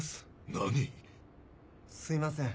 何⁉すいません